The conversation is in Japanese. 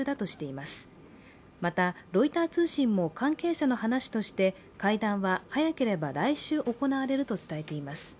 また、ロイター通信も関係者の話として会談は早ければ来週行われると伝えています。